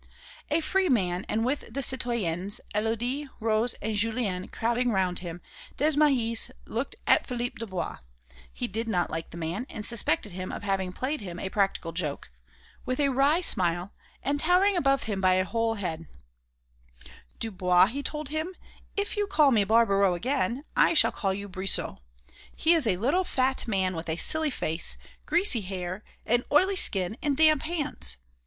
A free man again and with the citoyennes Élodie, Rose, and Julienne crowding round him, Desmahis looked at Philippe Dubois he did not like the man and suspected him of having played him a practical joke with a wry smile, and towering above him by a whole head: "Dubois," he told him, "if you call me Barbaroux again, I shall call you Brissot; he is a little fat man with a silly face, greasy hair, an oily skin and damp hands.